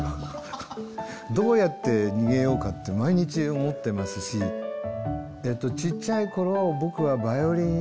どうやって逃げようかって毎日思ってますしちっちゃい頃僕はバイオリンやってたんです。